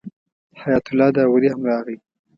حیات الله داوري هم راغی.